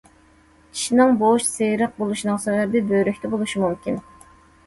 چىشنىڭ بوش، سېرىق بولۇشىنىڭ سەۋەبى بۆرەكتە بولۇشى مۇمكىن.